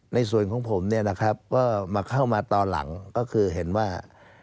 ในส่วนของผมมาเข้ามาตอนหลังก็คือเห็นว่า